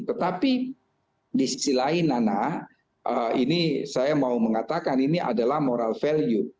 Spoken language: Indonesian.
tetapi di sisi lain nana ini saya mau mengatakan ini adalah moral value